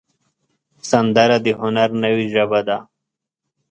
سندره د هنر نوې ژبه ده